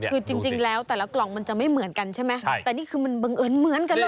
คือจริงแล้วแต่ละกล่องมันจะไม่เหมือนกันใช่ไหมแต่นี่คือมันบังเอิญเหมือนกันเลย